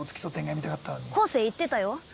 昴生言ってたよ。